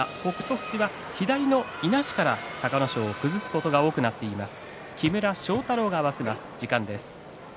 富士は左のいなしから隆の勝を崩すことが多くなっています。